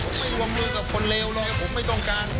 ผมไม่วงมือกับคนเลวเลยผมไม่ต้องการ